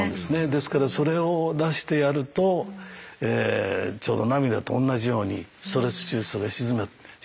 ですからそれを出してやるとちょうど涙と同じようにストレス中枢が静まってくれると。